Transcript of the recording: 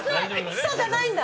房じゃないんだ。